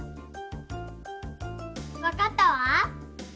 わかったわ。